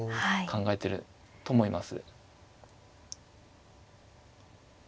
考えてると思います。